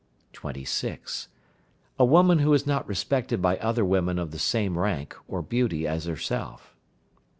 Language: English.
26. A woman who is not respected by other women of the same rank or beauty as herself.